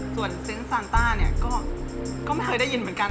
ส่วนเซนต์ซานต้าเนี่ยก็ไม่เคยได้ยินเหมือนกัน